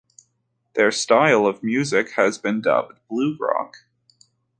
Their style of music has been dubbed "Bluegrock".